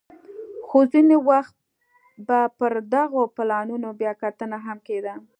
خو ځیني وخت به پر دغو پلانونو بیا کتنه هم کېده